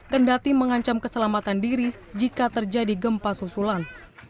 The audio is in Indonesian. kendati mengancam keselamatan diri jika terjadi gempa susulan